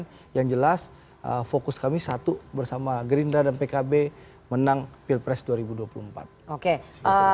tapi yang jelas fokus kami satu bersama gerindra dan pkb menang pilpres dua ribu dua puluh empat